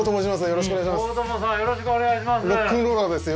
よろしくお願いします。